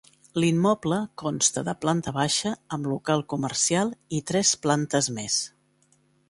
L'immoble consta de planta baixa amb local comercial i tres plantes més.